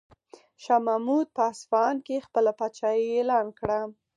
شاه محمود په اصفهان کې خپله پاچاهي اعلان کړه.